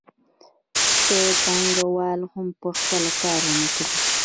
که پانګوال هم په خپله کار ونه کړي